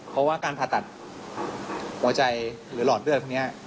เพราะว่าการผ่าตัดหัวใจหรือหลอดเลือดพวกนี้